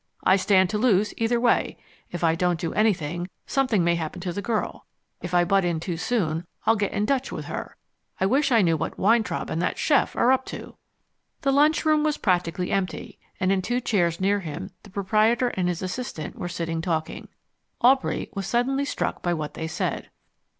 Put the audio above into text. "I stand to lose either way. If I don't do anything, something may happen to the girl; if I butt in too soon I'll get in dutch with her. I wish I knew what Weintraub and that chef are up to." The lunchroom was practically empty, and in two chairs near him the proprietor and his assistant were sitting talking. Aubrey was suddenly struck by what they said.